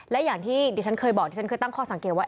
เดี๋ยวฉันเคยบอกที่ฉันคือตั้งคอสังเกตว่า